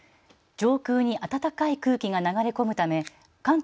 上空に暖かい空気が流れ込むため関東